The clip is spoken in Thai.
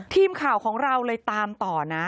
ทีมข่าวของเราเลยตามต่อนะ